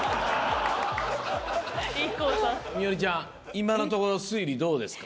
今のところ推理どうですか？